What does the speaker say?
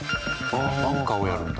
バンカーをやるんだ。